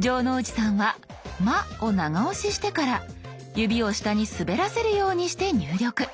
城之内さんは「ま」を長押ししてから指を下に滑らせるようにして入力。